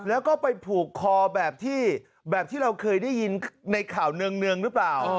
แล้วก็ไปผูกคอแบบที่แบบที่เราเคยได้ยินในข่าวเนืองหรือเปล่า